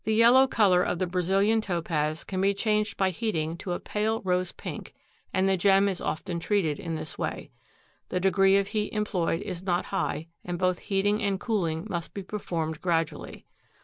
The yellow color of the Brazilian Topaz can be changed by heating to a pale rose pink and the gem is often treated in this way. The degree of heat employed is not high, and both heating and cooling must be performed gradually.